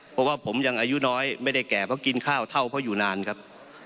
เพราะว่าผมยังอายุน้อยไม่ได้แก่เพราะกินข้าวเท่าเพราะอยู่นานครับ